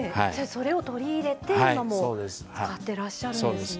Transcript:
それを取り入れて今も使ってらっしゃるんですね。